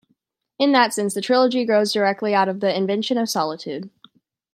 In that sense, the "Trilogy" grows directly out of "The Invention of Solitude".